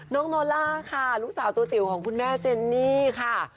โนล่าค่ะลูกสาวตัวจิ๋วของคุณแม่เจนนี่ค่ะ